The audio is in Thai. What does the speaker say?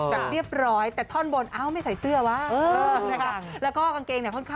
จากเรียบร้อยแต่ท่อนโบนอ้าวไม่ใส่เตื้อวะ